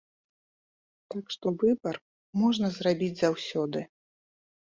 Так што выбар можна зрабіць заўсёды.